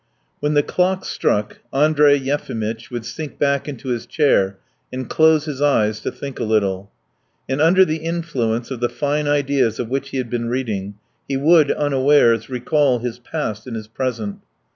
When the clock struck, Andrey Yefimitch would sink back into his chair and close his eyes to think a little. And under the influence of the fine ideas of which he had been reading he would, unawares, recall his past and his present.